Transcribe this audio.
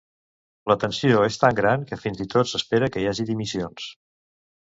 La tensió és tan gran que fins i tot s'espera que hi hagi dimissions.